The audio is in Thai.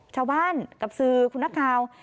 ชาวบ้านกับสื่อคุณน้าข่าว